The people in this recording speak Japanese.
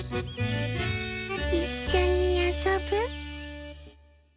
いっしょにあそぶ？